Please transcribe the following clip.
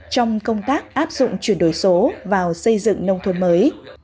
trong công tác áp dụng chuyển đổi số vào xây dựng nông thôn mới